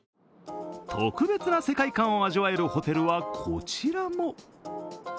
特別な世界観を味わえるホテルは、こちらも。